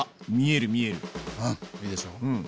あっいいでしょう？